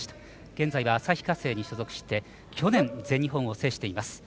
現在は旭化成に所属して去年、全日本を制しています。